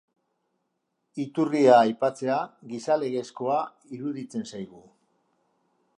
Iturria aipatzea, gizalegezkoa iruditzen zaigu.